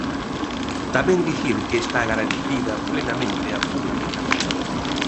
Tamén dicir que está garantida plenamente a publicidade.